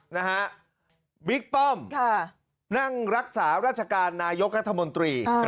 นะฮะบิ๊กป้อมนั่งรักษาราชการนายกรัฐมนตรี